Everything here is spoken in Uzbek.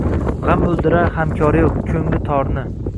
G‘am o‘ldirar hamkori yo‘q, ko‘ngli torni